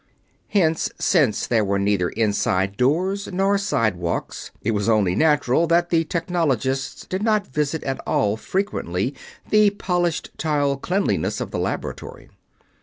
Hence, since there were neither inside doors nor sidewalks, it was only natural that the technologists did not visit at all frequently the polished tile cleanliness of the Laboratory.